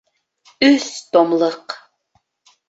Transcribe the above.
Өс томлыҡ